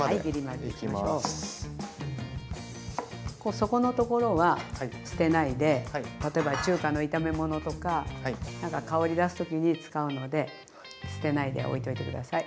そこの所は捨てないで例えば中華の炒め物とか香り出す時に使うので捨てないでおいといて下さい。